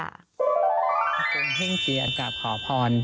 อาโกงเฮ้งเจียก็แอบขอพร